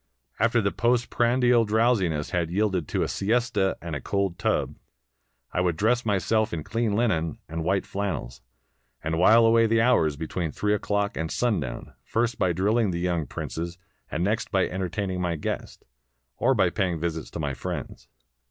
After the post prandial drowsiness had yielded to a siesta and a cold tub, I would dress myself in clean Unen and white flannels, and while away the hours between three o'clock and sundown, first by driUing the young princes, and next by entertaining my guests, or by pay ing visits to my friends.